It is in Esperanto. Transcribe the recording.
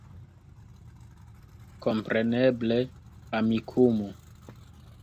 Kompreneble, Amikumu